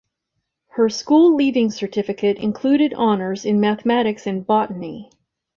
Her school Leaving Certificate included honours in mathematics and botany.